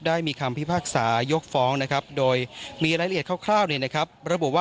ได้มีคำพิพากษายกฟ้องนะครับโดยมีรายละเอียดคร่าวระบุว่า